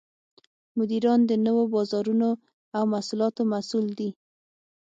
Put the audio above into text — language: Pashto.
مدیران د نوو بازارونو او محصولاتو مسوول دي.